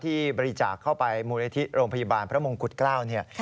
ที่บริจาคเข้าไปมูลยธิบริบาลพระมงกุฎ๙นี่